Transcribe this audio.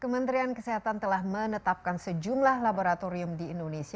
kementerian kesehatan telah menetapkan sejumlah laboratorium di indonesia